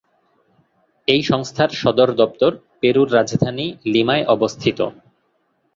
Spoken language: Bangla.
এই সংস্থার সদর দপ্তর পেরুর রাজধানী লিমায় অবস্থিত।